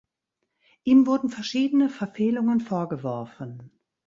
Ihm wurden verschiedene Verfehlungen vorgeworfen.